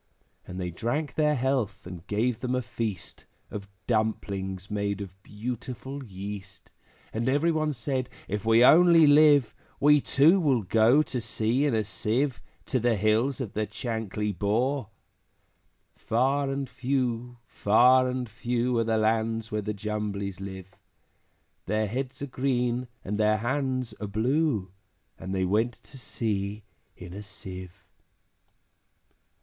And they drank their health, and gave them a feast Of dumplings made of beautiful yeast; And every one said, `If we only live, We too will go to sea in a Sieve, To the hills of the Chankly Bore!' Far and few, far and few, Are the lands where the Jumblies live; Their heads are green, and their hands are blue, And they went to sea in a Sieve.